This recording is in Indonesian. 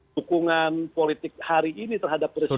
dukungan politik hari ini terhadap presiden